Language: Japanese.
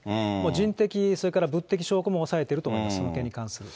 人的、それから物的証拠も押さえてると思います、その件に関する。